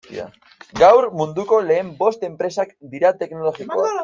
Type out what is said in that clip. Gaur munduko lehen bost enpresak dira teknologikoak.